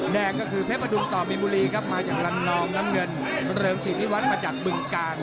แดงก็คือเพชรประดุงต่อมิมุรีครับมาจากรันนอมน้ำเงินเริ่มสิดนิวัตรมาจากเบื้องกลาง